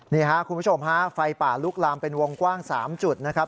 นี่ครับคุณผู้ชมฮะไฟป่าลุกลามเป็นวงกว้าง๓จุดนะครับ